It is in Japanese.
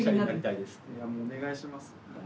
いやもうお願いします。